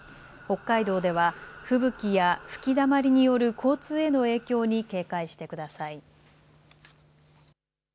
北海道では吹雪や吹きだまりによる交通への影響に警戒してください。